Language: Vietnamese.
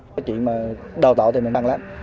cái chuyện mà đào tạo thì mình ăn lắm